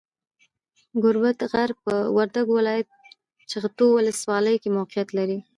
ګوربت غر، په وردګو ولایت، جغتو ولسوالۍ کې موقیعت لري.